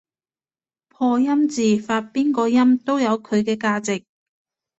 破音字發邊個音都有佢嘅價值